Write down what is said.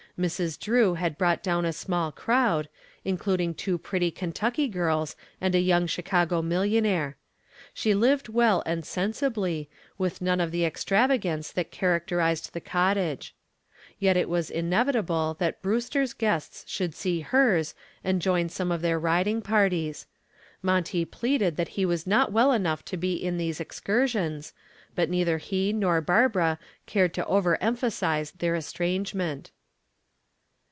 Mrs. Drew had brought down a small crowd, including two pretty Kentucky girls and a young Chicago millionaire. She lived well and sensibly, with none of the extravagance that characterized the cottage. Yet it was inevitable that Brewster's guests should see hers and join some of their riding parties. Monty pleaded that he was not well enough to be in these excursions, but neither he nor Barbara cared to over emphasize their estrangement.